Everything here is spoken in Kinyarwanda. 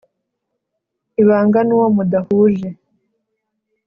ibanga n uwo mudahuje